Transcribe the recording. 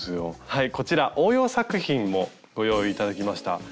はいこちら応用作品もご用意頂きました。